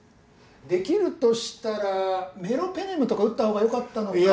できるとしたらメロペネムとか打った方がよかったのかも。